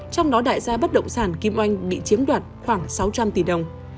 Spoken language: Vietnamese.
trong đó đại gia bất động sản kim oanh bị chiếm đoạt khoảng sáu trăm linh tỷ đồng